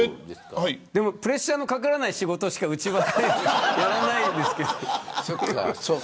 でもプレッシャーのかからない仕事しかうちはやらないですけど。